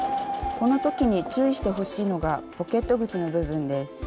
この時に注意してほしいのがポケット口の部分です。